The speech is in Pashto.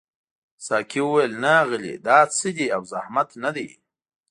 ساقي وویل نه اغلې دا څه دي او زحمت نه دی.